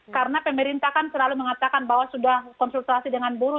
karena pemerintah kan selalu mengatakan bahwa sudah konsultasi dengan buruh